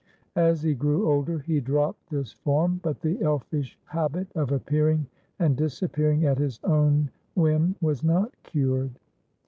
As he grew older, he dropped this form; but the elfish habit of appearing and disappearing at his own whim was not cured.